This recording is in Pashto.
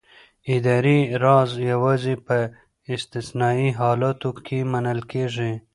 اداري راز یوازې په استثنايي حالاتو کې منل کېږي.